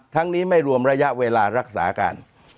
นี้ไม่รวมระยะเวลารักษาการ